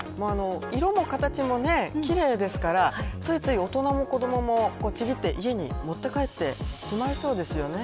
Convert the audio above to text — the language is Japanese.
色も形も奇麗ですからついつい大人も子どももちぎって家に持って帰ってしまいそうですよね。